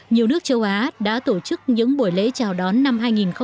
nhiều nước châu á đã tổ chức những buổi lễ chào đón năm hai nghìn một mươi tám